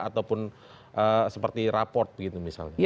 ataupun seperti raport gitu misalnya